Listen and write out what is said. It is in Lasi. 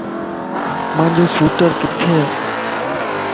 مانجو سوٽر ڪٿي ا؟